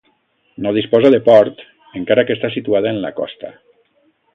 No disposa de port, encara que està situada en la costa.